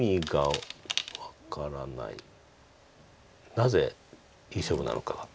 なぜいい勝負なのか。